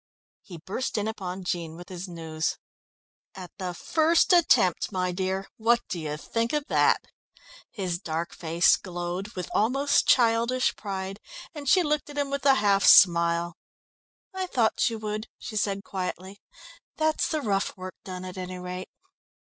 He burst in upon Jean with his news. "At the first attempt, my dear, what do you think of that?" His dark face glowed with almost childish pride, and she looked at him with a half smile. "I thought you would," she said quietly. "That's the rough work done, at any rate."